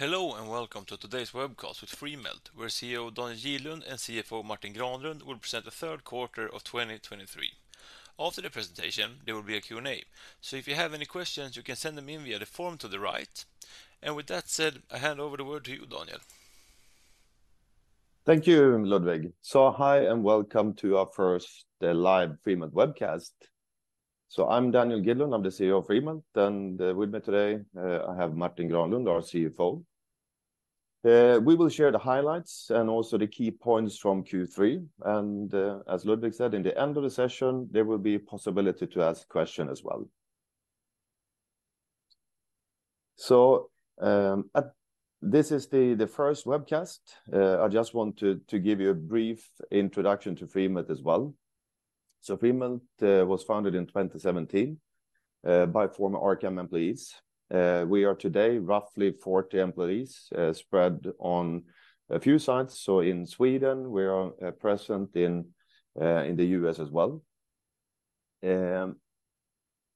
Hello, and welcome to today's webcast with Freemelt, where CEO Daniel Gidlund and CFO Martin Granlund will present the third quarter of 2023. After the presentation, there will be a Q&A. So if you have any questions, you can send them in via the form to the right. And with that said, I hand over the word to you, Daniel. Thank you, Ludwig. So hi, and welcome to our first, the Live Freemelt Webcast. So I'm Daniel Gidlund. I'm the CEO of Freemelt, and with me today, I have Martin Granlund, our CFO. We will share the highlights and also the key points from Q3. As Ludwig said, in the end of the session, there will be possibility to ask question as well. This is the first webcast. I just wanted to give you a brief introduction to Freemelt as well. So Freemelt was founded in 2017 by former Arcam employees. We are today roughly 40 employees, spread on a few sites. So in Sweden, we are present in the U.S. as well.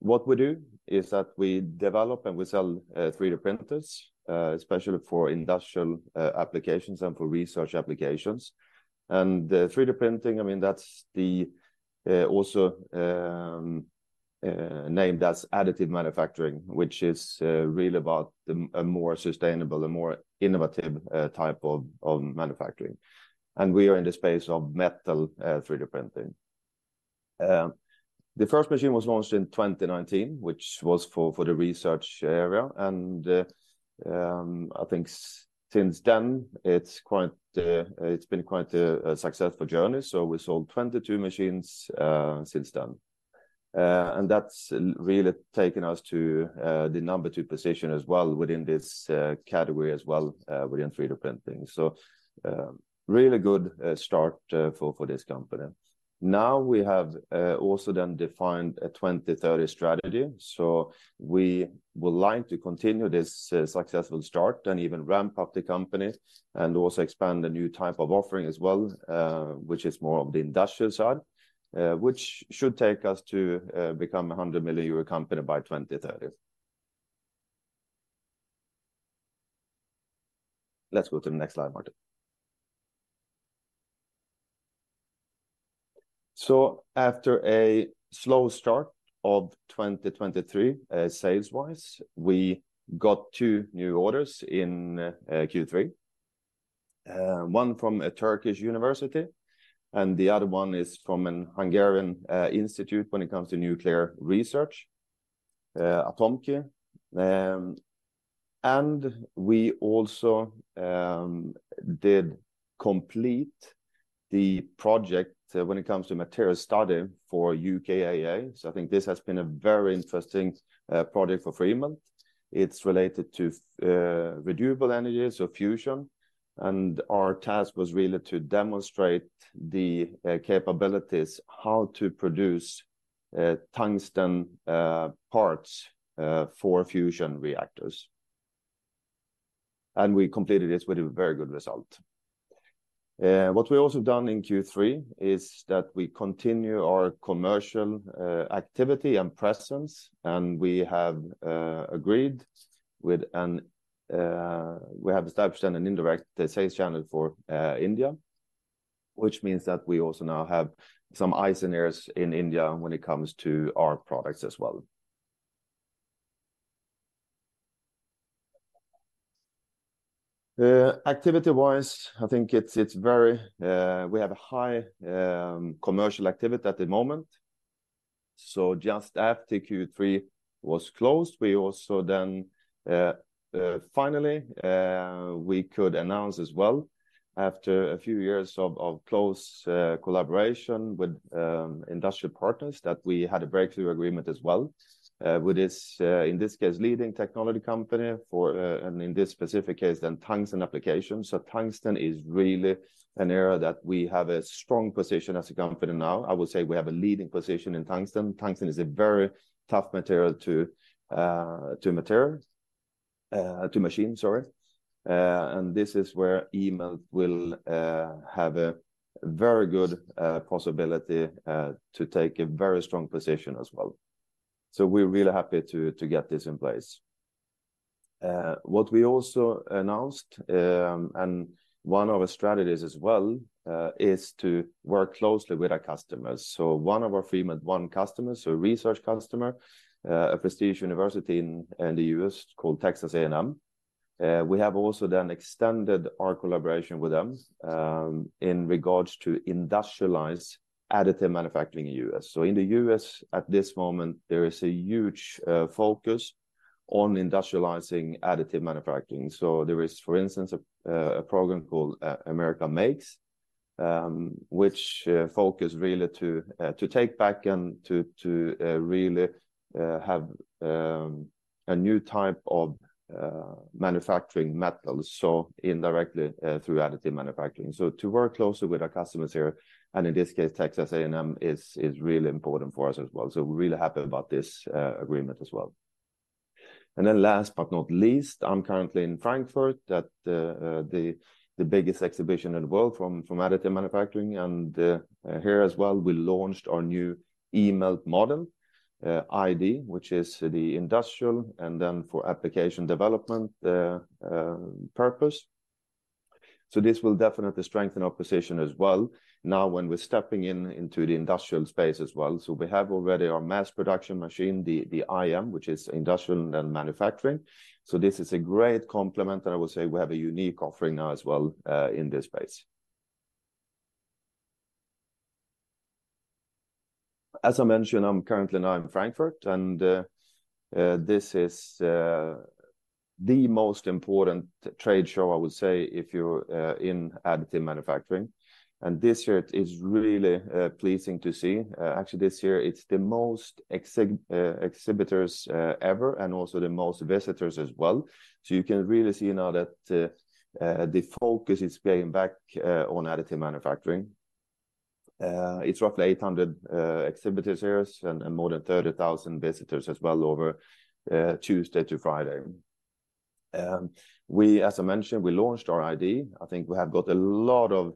What we do is that we develop, and we sell, 3D printers, especially for industrial applications and for research applications. And the 3D printing, I mean, that's the also name, that's additive manufacturing, which is really about a more sustainable and more innovative type of manufacturing. And we are in the space of metal 3D printing. The first machine was launched in 2019, which was for the research area. And since then, it's been quite a successful journey. So we sold 22 machines since then. And that's really taken us to the number two position as well within this category as well within 3D printing. So, really good start for this company. Now, we have also then defined a 2030 strategy, so we would like to continue this successful start and even ramp up the company and also expand the new type of offering as well, which is more of the industrial side. Which should take us to become a 100 million euro company by 2030. Let's go to the next slide, Martin. So after a slow start of 2023 sales-wise, we got two new orders in Q3. One from a Turkish university, and the other one is from a Hungarian institute when it comes to nuclear research, ATOMKI. And we also did complete the project when it comes to material study for UKAEA. So I think this has been a very interesting project for Freemelt. It's related to renewable energy, so fusion, and our task was really to demonstrate the capabilities, how to produce tungsten parts for fusion reactors. We completed this with a very good result. What we also done in Q3 is that we continue our commercial activity and presence, and we have established an indirect sales channel for India, which means that we also now have some eyes and ears in India when it comes to our products as well. Activity-wise, I think it's very, we have a high commercial activity at the moment. So just after Q3 was closed, we also then finally we could announce as well, after a few years of close collaboration with industrial partners, that we had a breakthrough agreement as well with this in this case leading technology company for and in this specific case then tungsten applications. So tungsten is really an area that we have a strong position as a company now. I would say we have a leading position in tungsten. Tungsten is a very tough material to machine, sorry. And this is where eMELT will have a very good possibility to take a very strong position as well. So we're really happy to get this in place. What we also announced, and one of our strategies as well, is to work closely with our customers. One of our Freemelt ONE customers, a research customer, a prestigious university in the U.S. called Texas A&M, we have also then extended our collaboration with them in regards to industrialize additive manufacturing in U.S. In the U.S., at this moment, there is a huge focus on industrializing additive manufacturing. There is, for instance, a program called America Makes, which focus really to take back and to really have a new type of manufacturing metals, so indirectly through additive manufacturing. To work closely with our customers here, and in this case, Texas A&M, is really important for us as well. So we're really happy about this agreement as well. And then last but not least, I'm currently in Frankfurt at the biggest exhibition in the world from additive manufacturing. And here as well, we launched our new eMELT model iD, which is the industrial and then for application development purpose. So this will definitely strengthen our position as well now, when we're stepping into the industrial space as well. So we have already our mass production machine, the iM, which is industrial and manufacturing. So this is a great complement, and I will say we have a unique offering now as well in this space. As I mentioned, I'm currently now in Frankfurt, and this is the most important trade show, I would say, if you're in additive manufacturing. This year it is really pleasing to see. Actually, this year it's the most exhibitors ever, and also the most visitors as well. So you can really see now that the focus is going back on additive manufacturing. It's roughly 800 exhibitors here, and more than 30,000 visitors as well over Tuesday to Friday. We, as I mentioned, we launched our iD. I think we have got a lot of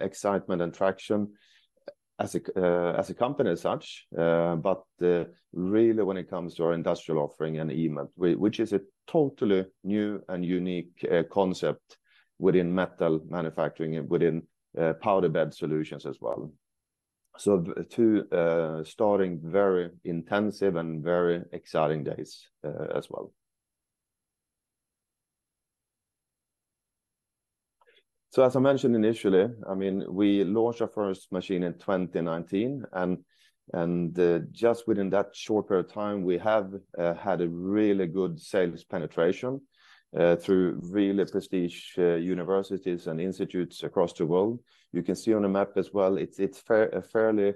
excitement and traction as a company as such. But really, when it comes to our industrial offering and eMELT, which is a totally new and unique concept within metal manufacturing and within powder bed solutions as well. So starting very intensive and very exciting days as well. So, as I mentioned initially, I mean, we launched our first machine in 2019, and just within that short period of time, we have had a really good sales penetration through really prestigious universities and institutes across the world. You can see on the map as well, it's fairly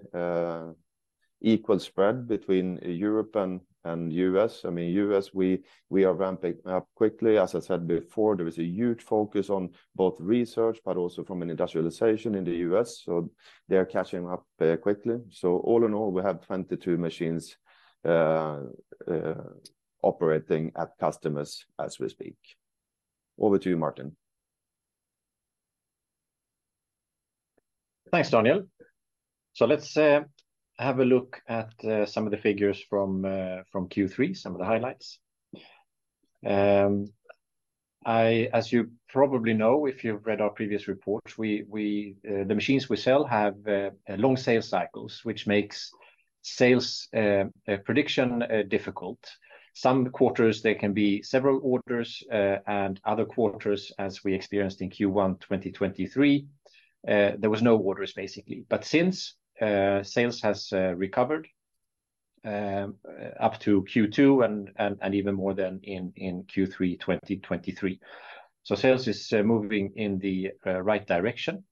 equal spread between Europe and U.S. I mean, U.S., we are ramping up quickly. As I said before, there is a huge focus on both research, but also from an industrialization in the U.S., so they are catching up quickly. So all in all, we have 22 machines operating at customers as we speak. Over to you, Martin. Thanks, Daniel. So let's have a look at some of the figures from Q3, some of the highlights. As you probably know, if you've read our previous reports, the machines we sell have long sales cycles, which makes sales prediction difficult. Some quarters, there can be several orders, and other quarters, as we experienced in Q1, 2023, there was no orders, basically. But since sales has recovered up to Q2 and even more than in Q3, 2023. So sales is moving in the right direction.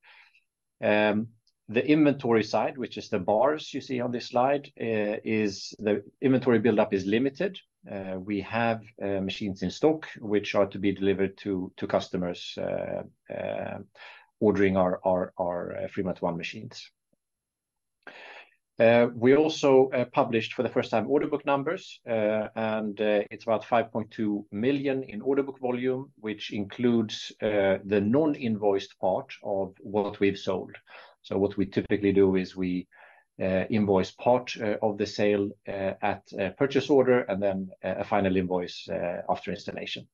The inventory side, which is the bars you see on this slide, is the inventory buildup limited. We have machines in stock, which are to be delivered to customers ordering our Freemelt ONE machines. We also published for the first time order book numbers, and it's about 5.2 million in order book volume, which includes the non-invoiced part of what we've sold. So what we typically do is we invoice part of the sale at a purchase order, and then a final invoice after installation.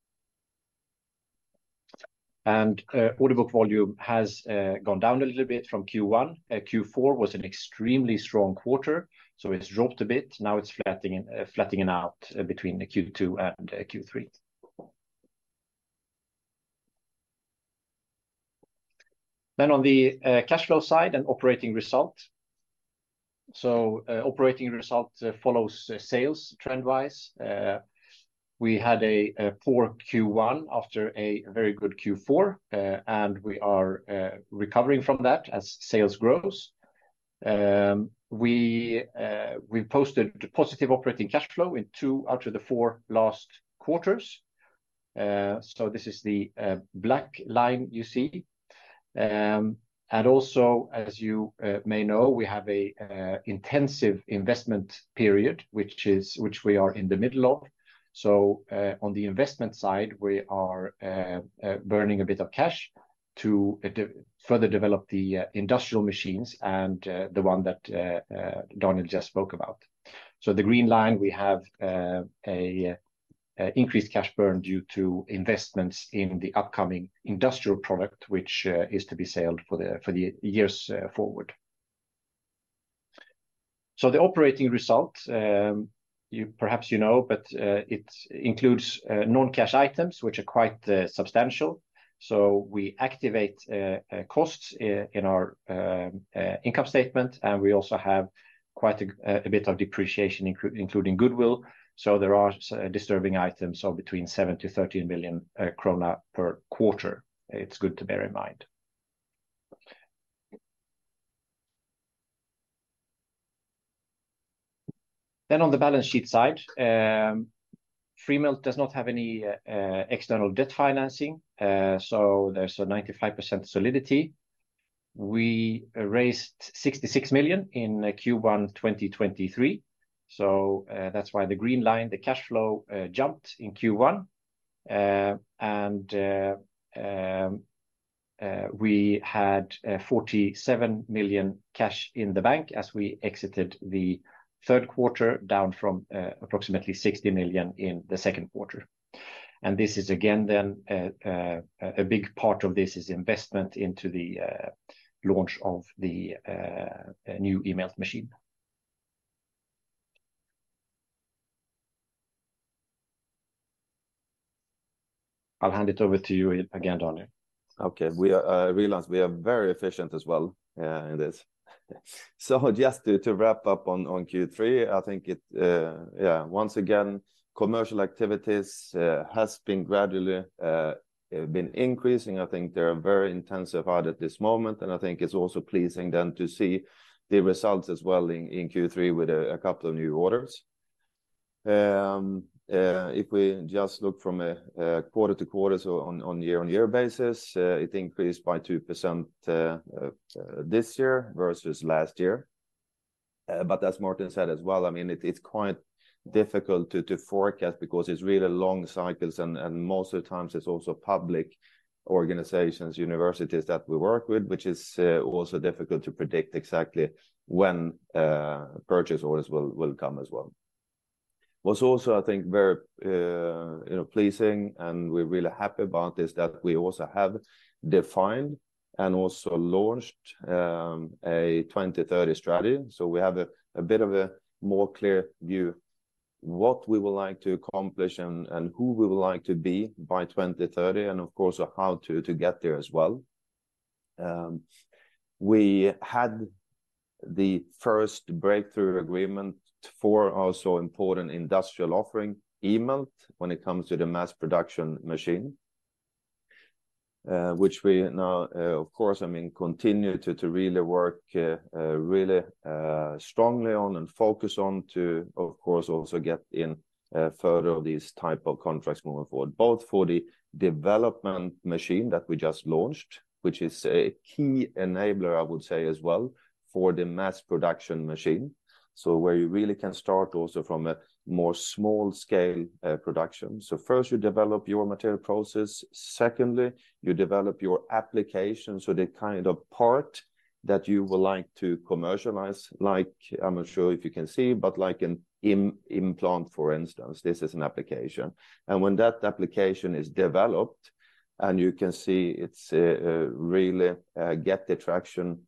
Order book volume has gone down a little bit from Q1. Q4 was an extremely strong quarter, so it's dropped a bit. Now, it's flattening out between Q2 and Q3. Then on the cash flow side and operating result. So, operating result follows sales trend-wise. We had a poor Q1 after a very good Q4, and we are recovering from that as sales grows. We posted positive operating cash flow in two out of the four last quarters. So this is the black line you see. And also, as you may know, we have an intensive investment period, which we are in the middle of. So, on the investment side, we are burning a bit of cash to further develop the industrial machines and the one that Daniel just spoke about. So the green line, we have an increased cash burn due to investments in the upcoming industrial product, which is to be sold for the years forward. So the operating result, you perhaps you know, but, it includes, non-cash items, which are quite, substantial. So we activate, costs in our, income statement, and we also have quite a, a bit of depreciation, including goodwill. So there are disturbing items of between 7 million to 13 million krona per quarter. It's good to bear in mind. Then on the balance sheet side, Freemelt does not have any, external debt financing, so there's a 95% solidity. We raised 66 million in Q1 2023, so, that's why the green line, the cash flow, jumped in Q1. And, we had, 47 million cash in the bank as we exited the third quarter, down from, approximately 60 million in the second quarter. And this is again, then, a big part of this is investment into the launch of the new eMELT machine. I'll hand it over to you again, Daniel. Okay. We are, I realize we are very efficient as well, in this. So just to wrap up on Q3, I think it, yeah, once again, commercial activities has been gradually been increasing. I think they are very intensified at this moment, and I think it's also pleasing then to see the results as well in Q3 with a couple of new orders. If we just look from a quarter to quarter, so on year-on-year basis, it increased by 2%, this year versus last year. But as Martin said as well, I mean, it's quite difficult to forecast because it's really long cycles, and most of the times, it's also public organizations, universities that we work with, which is also difficult to predict exactly when purchase orders will come as well. What's also, I think, very, you know, pleasing, and we're really happy about this, that we also have defined and also launched a 2030 strategy. So we have a bit of a more clear view what we would like to accomplish and who we would like to be by 2030, and of course, how to get there as well. We had the first breakthrough agreement for our so important industrial offering, eMELT, when it comes to the mass production machine, which we now, of course, I mean, continue to really work really strongly on and focus on to, of course, also get in further of these type of contracts moving forward, both for the development machine that we just launched, which is a key enabler, I would say, as well, for the mass production machine. So where you really can start also from a more small-scale production. So first, you develop your material process. Secondly, you develop your application, so the kind of part that you would like to commercialize, like, I'm not sure if you can see, but like an implant, for instance, this is an application. When that application is developed, and you can see it's really get the traction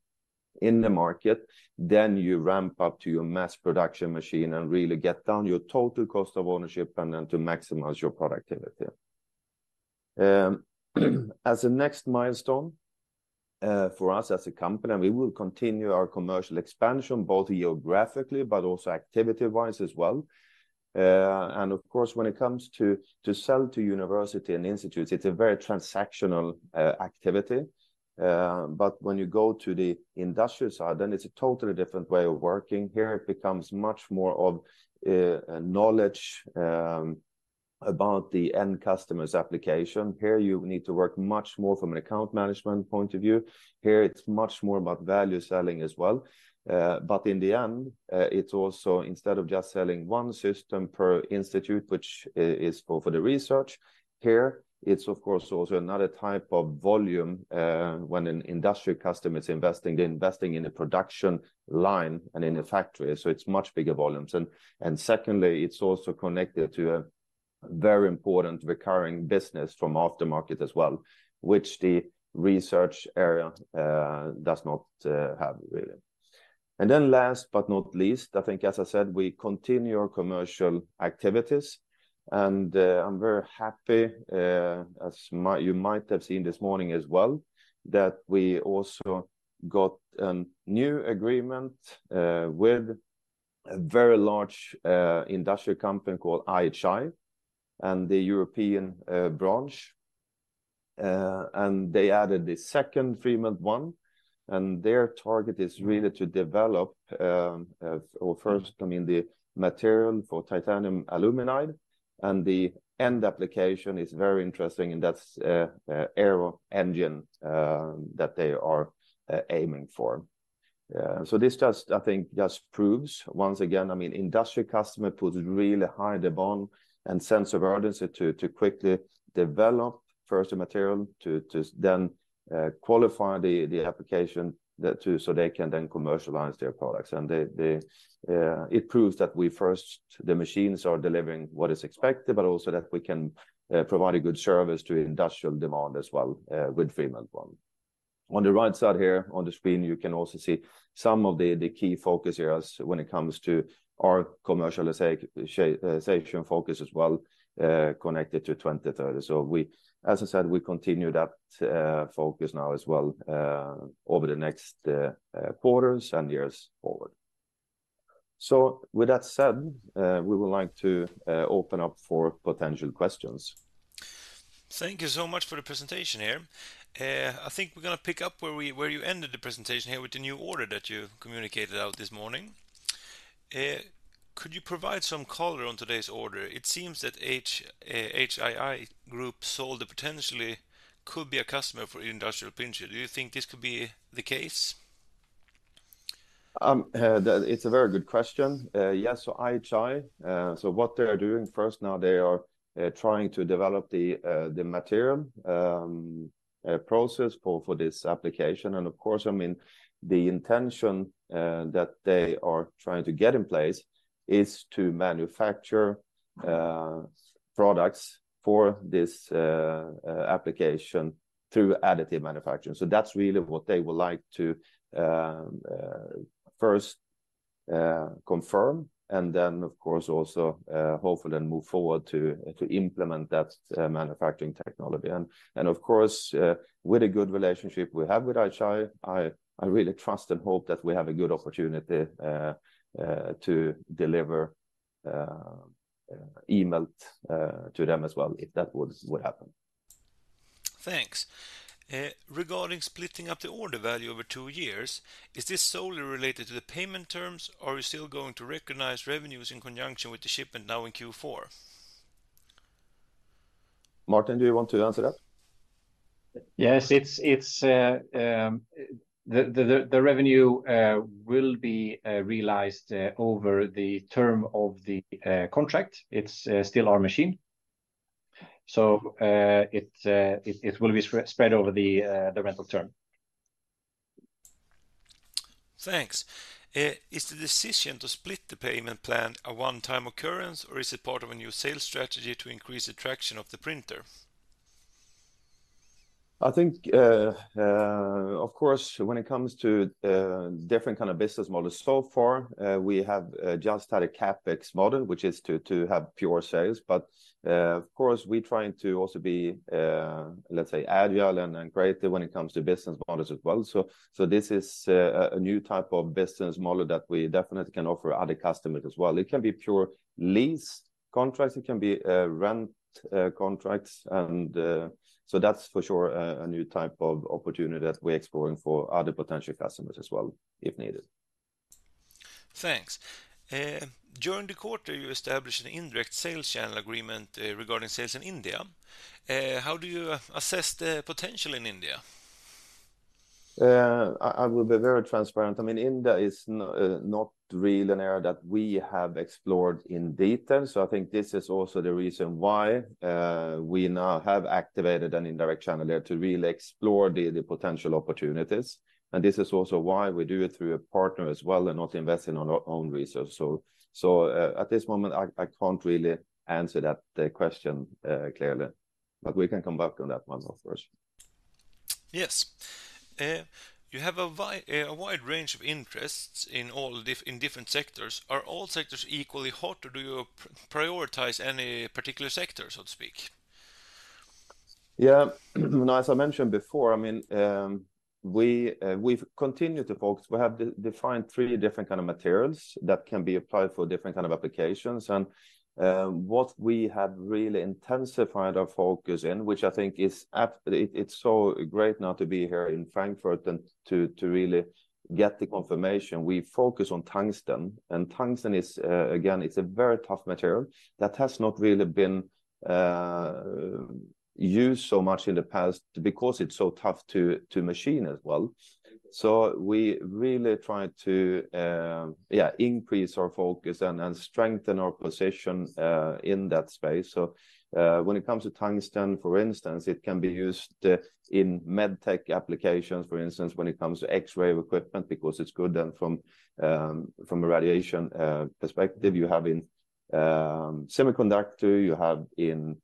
in the market, then you ramp up to your mass production machine and really get down your total cost of ownership and then to maximize your productivity. As a next milestone, for us as a company, we will continue our commercial expansion, both geographically but also activity-wise as well. And of course, when it comes to to sell to university and institutes, it's a very transactional activity. But when you go to the industrial side, then it's a totally different way of working. Here, it becomes much more of knowledge about the end customer's application. Here, you need to work much more from an account management point of view. Here, it's much more about value selling as well. But in the end, it's also, instead of just selling one system per institute, which is for the research, here, it's of course also another type of volume, when an industrial customer is investing, they're investing in a production line and in a factory, so it's much bigger volumes. And secondly, it's also connected to a very important recurring business from aftermarket as well, which the research area does not have, really. And then last but not least, I think, as I said, we continue our commercial activities, and I'm very happy, as you might have seen this morning as well, that we also got a new agreement with a very large industrial company called IHI and the European branch. They added the second Freemelt ONE, and their target is really to develop or first, I mean, the material for titanium aluminide, and the end application is very interesting, and that's aero-engine that they are aiming for. So this just, I think, just proves once again, I mean, industrial customer puts really high demand and sense of urgency to quickly develop first the material, to then qualify the application so they can then commercialize their products. It proves that the machines are delivering what is expected, but also that we can provide a good service to industrial demand as well with Freemelt ONE. On the right side here on the screen, you can also see some of the key focus areas when it comes to our commercialization focus as well, connected to 2030. So we, as I said, we continue that focus now as well over the next quarters and years forward. So with that said, we would like to open up for potential questions. Thank you so much for the presentation here. I think we're going to pick up where you ended the presentation here with the new order that you communicated out this morning. Could you provide some color on today's order? It seems that IHI Group, so it potentially could be a customer for industrial printer. Do you think this could be the case? That's a very good question. Yes, so IHI, so what they are doing first now, they are trying to develop the material process for this application. And of course, I mean, the intention that they are trying to get in place is to manufacture products for this application through additive manufacturing. So that's really what they would like to first confirm and then, of course, also hopefully then move forward to implement that manufacturing technology. And of course, with a good relationship we have with IHI, I really trust and hope that we have a good opportunity to deliver E-Melt to them as well, if that would happen. Thanks. Regarding splitting up the order value over two years, is this solely related to the payment terms, or are you still going to recognize revenues in conjunction with the shipment now in Q4? Martin, do you want to answer that? Yes, it's the revenue will be realized over the term of the contract. It's still our machine. So, it will be spread over the rental term. Thanks. Is the decision to split the payment plan a one-time occurrence, or is it part of a new sales strategy to increase the traction of the printer? I think, of course, when it comes to different kind of business models, so far, we have just had a CapEx model, which is to have pure sales. But, of course, we're trying to also be, let's say, agile and creative when it comes to business models as well. So, this is a new type of business model that we definitely can offer other customers as well. It can be pure lease contracts, it can be rent contracts, and so that's for sure, a new type of opportunity that we're exploring for other potential customers as well, if needed. Thanks. During the quarter, you established an indirect sales channel agreement, regarding sales in India. How do you assess the potential in India? I will be very transparent. I mean, India is not really an area that we have explored in detail. So I think this is also the reason why we now have activated an indirect channel there to really explore the potential opportunities. And this is also why we do it through a partner as well and not investing on our own resource. So at this moment, I can't really answer that question clearly, but we can come back on that one, of course. Yes. You have a wide range of interests in all different sectors. Are all sectors equally hot, or do you prioritize any particular sector, so to speak? Yeah. Now, as I mentioned before, I mean, we've continued to focus. We have defined three different kind of materials that can be applied for different kind of applications. What we have really intensified our focus in, which I think is it, it's so great now to be here in Frankfurt and to really get the confirmation. We focus on tungsten, and tungsten is again, it's a very tough material that has not really been used so much in the past because it's so tough to machine as well. So we really try to yeah, increase our focus and strengthen our position in that space. So, when it comes to tungsten, for instance, it can be used in med tech applications, for instance, when it comes to X-ray equipment, because it's good, then from a radiation perspective. You have in semiconductor, you have in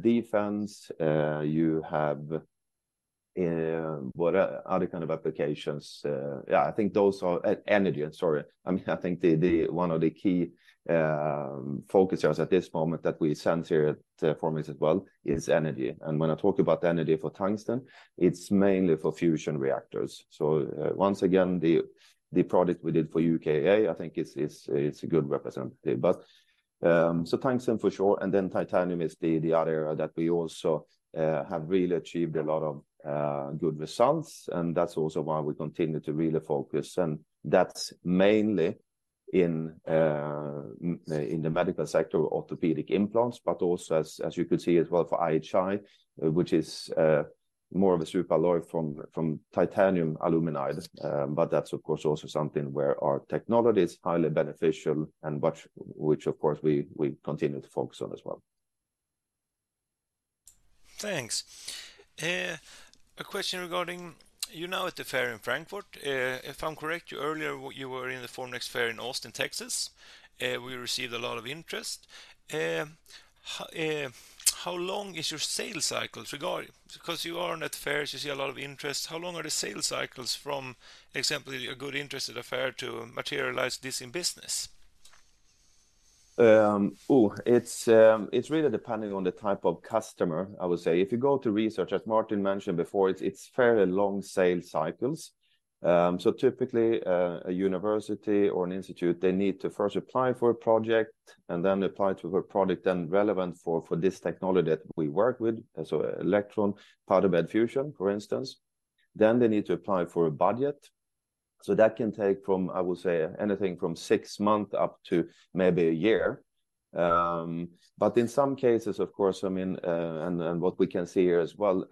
defense, you have what other kind of applications? Yeah, I think those are energy, I'm sorry. I mean, I think the one of the key focus areas at this moment that we sense here at the forum as well is energy. And when I talk about energy for tungsten, it's mainly for fusion reactors. So, once again, the product we did for UKA, I think is, it's a good representative. But tungsten for sure, and then titanium is the other area that we also have really achieved a lot of good results, and that's also why we continue to really focus. And that's mainly in the medical sector, orthopedic implants, but also as you could see as well for IHI, which is more of a super alloy from titanium aluminide. But that's of course also something where our technology is highly beneficial and which of course we continue to focus on as well. Thanks. A question regarding you now at the fair in Frankfurt. If I'm correct you, earlier, you were in the Formnext fair in Austin, Texas. We received a lot of interest. How long is your sales cycle regarding, because you are at fairs, you see a lot of interest. How long are the sales cycles from, example, a good interest at a fair to materialize this in business? It's really depending on the type of customer, I would say. If you go to research, as Martin mentioned before, it's fairly long sales cycles. So typically, a university or an institute, they need to first apply for a project and then apply to a product then relevant for this technology that we work with, so Electron Powder Bed Fusion for instance. Then they need to apply for a budget. So that can take from, I would say, anything from six months up to maybe a year. But in some cases, of course, I mean, what we can see here as well,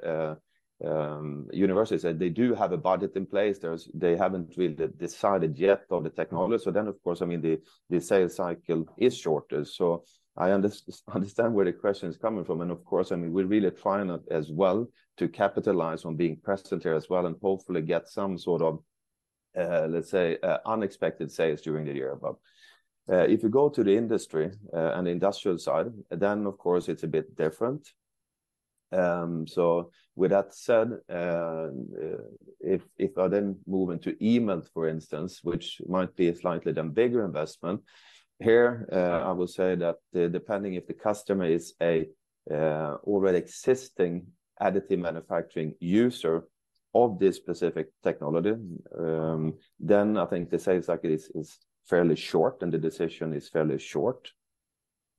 universities, they do have a budget in place. There's- they haven't really decided yet on the technology. So then, of course, I mean, the sales cycle is shorter. So I understand where the question is coming from, and of course, I mean, we're really trying as well to capitalize on being present here as well and hopefully get some sort of let's say unexpected sales during the year above. If you go to the industry and the industrial side, then of course it's a bit different. So with that said, if I then move into eMELT, for instance, which might be a slightly then bigger investment, here, I will say that depending if the customer is a already existing additive manufacturing user of this specific technology, then I think the sales cycle is fairly short, and the decision is fairly short.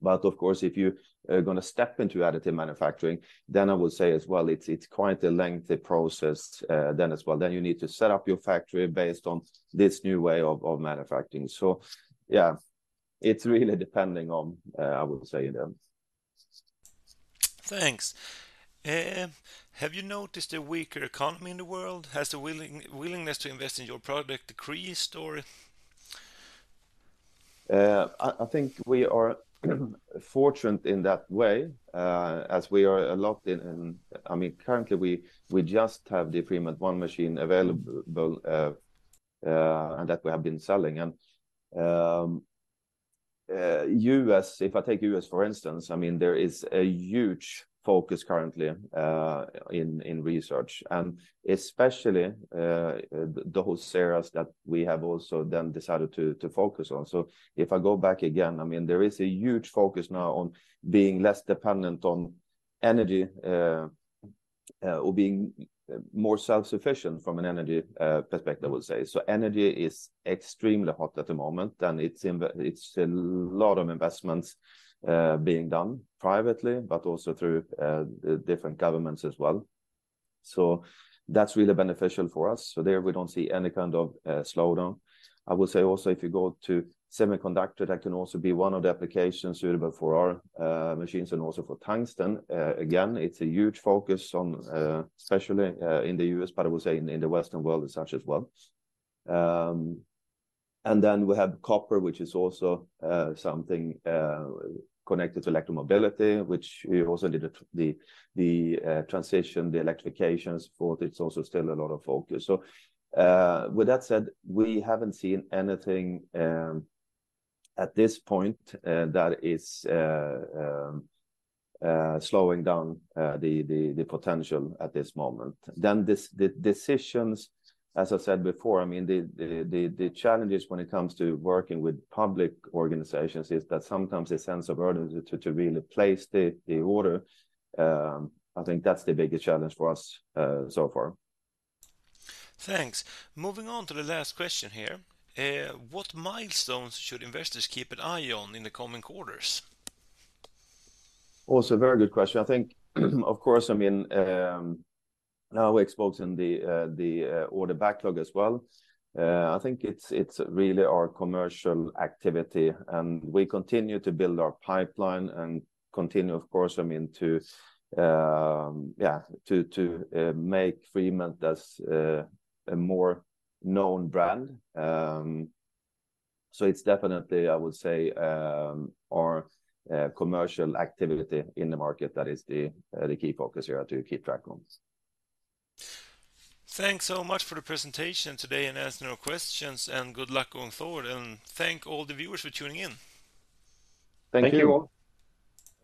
But of course, if you are gonna step into additive manufacturing, then I would say as well, it's quite a lengthy process, then as well. Then you need to set up your factory based on this new way of manufacturing. So yeah, it's really depending on, I would say then. Thanks. Have you noticed a weaker economy in the world? Has the willingness to invest in your product decreased or? I think we are fortunate in that way, as we are locked in. I mean, currently, we just have the Freemelt ONE machine available, and that we have been selling. U.S., if I take U.S., for instance, I mean, there is a huge focus currently in research, and especially those areas that we have also then decided to focus on. So if I go back again, I mean, there is a huge focus now on being less dependent on energy or being more self-sufficient from an energy perspective, I would say. So energy is extremely hot at the moment, and it's a lot of investments being done privately, but also through the different governments as well. So that's really beneficial for us. So there, we don't see any kind of slowdown. I would say also, if you go to semiconductor, that can also be one of the applications suitable for our machines and also for Tungsten. Again, it's a huge focus on, especially, in the U.S., but I would say in the Western world as such as well. And then we have copper, which is also something connected to electromobility, which we also did it the transition, the electrifications for it. It's also still a lot of focus. So, with that said, we haven't seen anything at this point that is slowing down the potential at this moment. Then the decisions, as I said before, I mean, the challenges when it comes to working with public organizations is that sometimes a sense of urgency to really place the order, I think that's the biggest challenge for us so far. Thanks. Moving on to the last question here. What milestones should investors keep an eye on in the coming quarters? Also, a very good question. I think, of course, I mean, now we exposed in the, the, order backlog as well. I think it's, it's really our commercial activity, and we continue to build our pipeline and continue, of course, I mean, to, to, make Freemelt as a, a more known brand. So it's definitely, I would say, our, commercial activity in the market that is the, the key focus here to keep track on. Thanks so much for the presentation today and answering our questions, and good luck going forward, and thank all the viewers for tuning in. Thank you all.